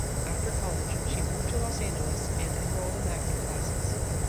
After college she moved to Los Angeles and enrolled in acting classes.